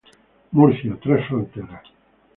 Murcia: Tres Fronteras.